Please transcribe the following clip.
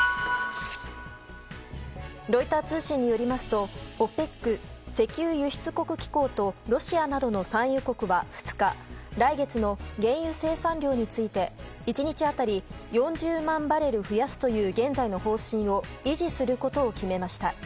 ロイター通信によりますとＯＰＥＣ・石油輸出国機構とロシアなどの産油国は２日来月の原油生産量について１日当たり４０万バレル増やすという現在の方針を維持することを決めました。